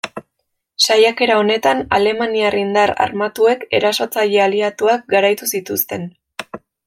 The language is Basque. Saiakera honetan, alemaniar indar armatuek erasotzaile aliatuak garaitu zituzten.